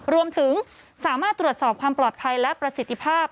รวมถึงสามารถตรวจสอบความปลอดภัยและประสิทธิภาพ